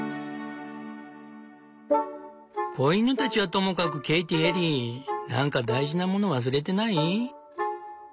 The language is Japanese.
「子犬たちはともかくケイティエリー何か大事なもの忘れてない？